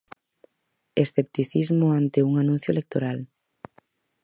Escepticismo ante un anuncio electoral.